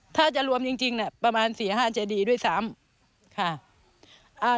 ถ้าจะรวมจริงประมาณ๔๕เจดีด้วยซ้ำค่ะ